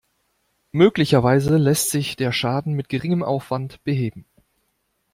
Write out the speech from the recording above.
Möglicherweise lässt sich der Schaden mit geringem Aufwand beheben.